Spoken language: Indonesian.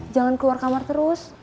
jangan keluar kamar terus